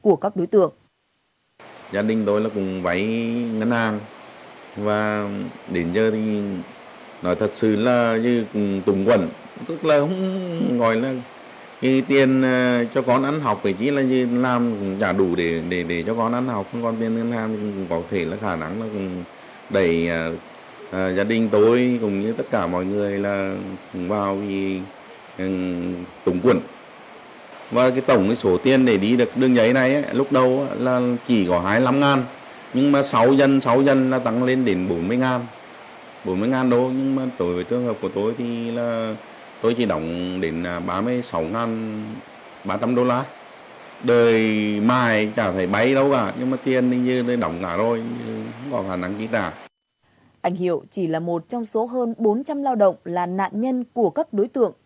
anh hiệu chỉ là một trong số hơn bốn trăm linh lao động là nạn nhân của các đối tượng